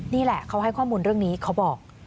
นี่แหละเขาให้ข้อมูลเรื่องนี้เขาบอก